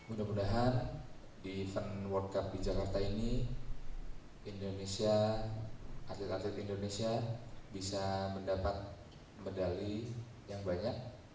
indonesia atlet atlet indonesia bisa mendapat medali yang banyak